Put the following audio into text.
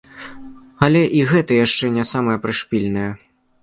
Але і гэта яшчэ не самае прышпільнае.